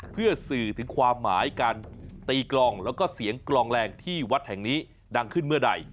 เพื่อสื่อถึงความหมายการตีกลองแล้วก็เสียงกลองแรงที่วัดแห่งนี้ดังขึ้นเมื่อใด